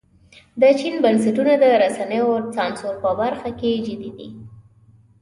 د چین بنسټونه د رسنیو سانسور په برخه کې جدي دي.